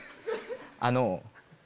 あの。